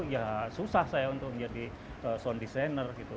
ya susah saya untuk menjadi sound designer gitu